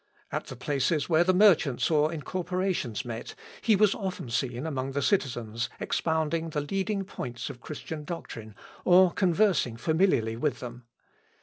At the places where the merchants or incorporations met he was often seen among the citizens expounding the leading points of Christian doctrine, or conversing familiarly with them.